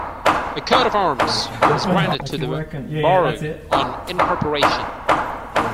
A coat of arms was granted to the borough on incorporation.